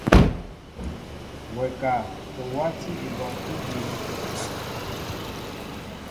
Wɛ ka o wátí ebɔŋkí dǐn.